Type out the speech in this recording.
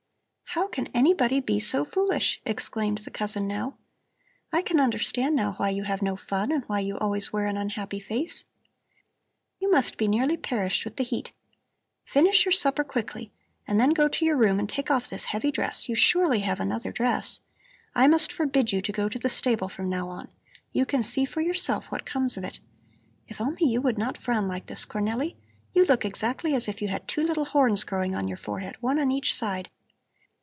"How can anybody be so foolish!" exclaimed the cousin now. "I can understand now why you have no fun and why you always wear an unhappy face. You must be nearly perished with the heat! Finish your supper quickly and then go to your room and take off this heavy dress. You surely have another dress. I must forbid you to go to the stable from now on! You can see for yourself what comes of it! If only you would not frown like this, Cornelli. You look exactly as if you had two little horns growing on your forehead, one on each side.